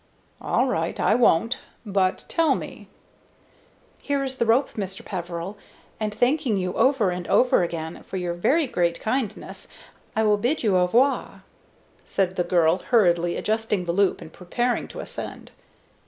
"All right, I won't; but tell me " "Here is the rope, Mr. Peveril, and, thanking you over and over again for your very great kindness, I will bid you au revoir," said the girl, hurriedly adjusting the loop and preparing to ascend.